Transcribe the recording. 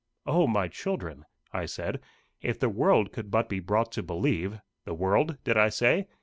O my children!" I said, "if the world could but be brought to believe the world did I say?